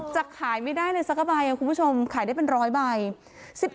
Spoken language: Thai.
จักขายไม่ได้เลยสักกระใบครับคุณผู้ชมขายได้เป็นร้อยใบ